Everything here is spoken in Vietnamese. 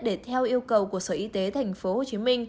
để theo yêu cầu của sở y tế tp hcm